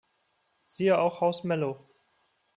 Siehe auch Haus Mello